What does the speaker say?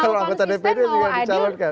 calon anggota dprd juga dicalonkan